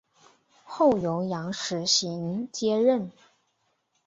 后由杨时行接任。